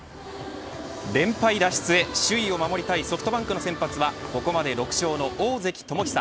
連敗脱出へ首位を守りたいソフトバンクの先発はここまで６勝の大関友久。